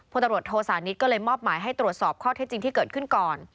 ตำรวจโทสานิทก็เลยมอบหมายให้ตรวจสอบข้อเท็จจริงที่เกิดขึ้นก่อน